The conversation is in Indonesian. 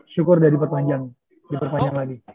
syukur sudah diperpanjang diperpanjang lagi